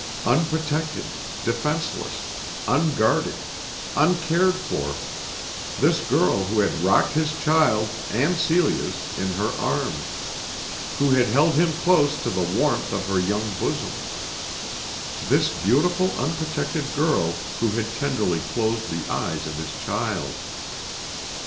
Unprotected, defenceless, unguarded, uncared for, this girl who had rocked his child and Celia's in her arms, who had held him close to the warmth of her young bosom. This beautiful unprotected girl who had tenderly closed the eyes of his child!